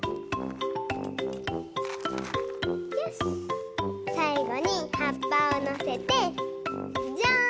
よしさいごにはっぱをのせてジャーン！